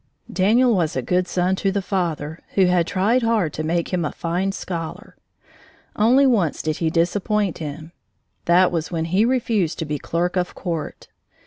Daniel was a good son to the father, who had tried hard to make him a fine scholar. Only once did he disappoint him. That was when he refused to be clerk of court.